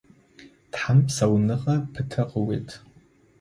Тхьэм псауныгъэ пытэ къыует.